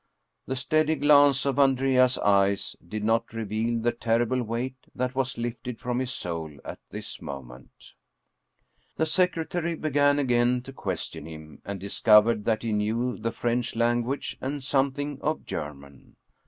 The steady glance of Andrea's eyes did ' not reveal Lie terrible weight that was lifted from his soul at this moment. The secretary began again to question him, and dis covered that he knew the French language and something of German.